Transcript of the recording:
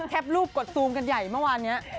แป๊ปรูปกดซูมกันใหญ่เมื่อวานนี้